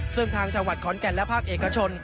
ซึ่งทางจังหวัดขอนแก่นและภาคเอกชน